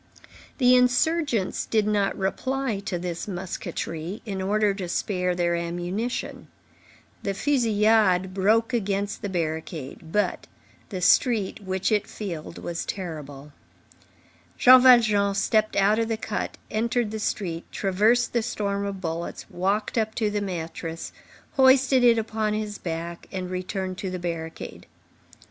The insurgents did not reply to this musketry, in order to spare their ammunition. The fusillade broke against the barricade; but the street, which it filled, was terrible. Jean Valjean stepped out of the cut, entered the street, traversed the storm of bullets, walked up to the mattress, hoisted it upon his back, and returned to the barricade.